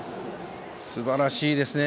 すばらしいですね。